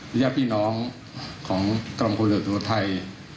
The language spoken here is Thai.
พระเจ้าพี่น้องของกรรมควริยศสวทัย